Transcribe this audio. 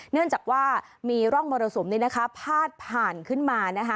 เนื่องจากว่ามีร่องมรสุมนี้นะคะพาดผ่านขึ้นมานะคะ